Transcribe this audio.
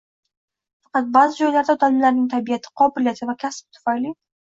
Faqat ba’zi joylarda, odamlarning tabiati, qobiliyati va kasbi tufayli